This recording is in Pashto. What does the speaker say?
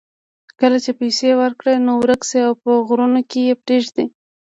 کله چې پیسې ورکړې نو ورک شي او په غرونو کې یې پرېږدي.